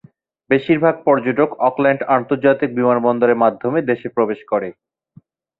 বেশিরভাগ পর্যটক অকল্যান্ড আন্তর্জাতিক বিমানবন্দরের মাধ্যমে দেশে প্রবেশ করে।